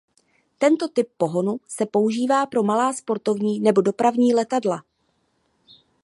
Tento typ pohonu se používá pro malá sportovní nebo dopravní letadla.